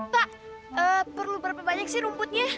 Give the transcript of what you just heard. pak perlu berapa banyak sih rumputnya